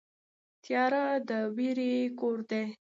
تیاره د وېرې کور دی.